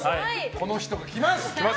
この人が来ます！